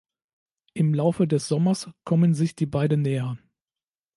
Im Laufe des Sommers kommen sich die beiden näher.